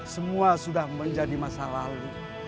semua sudah menjadi masa lalu